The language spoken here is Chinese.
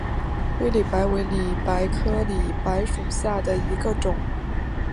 灰里白为里白科里白属下的一个种。